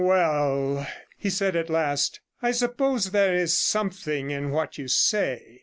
'Well,' he said at last, 'I suppose there is something in what you say.